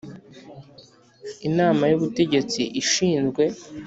Inama y ubutegetsi ishinzwe